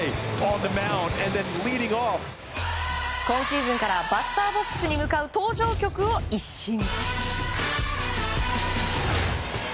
今シーズンからバッターボックスに向かう登場曲を一新。